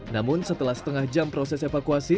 namun setelah setengah jam proses evakuasi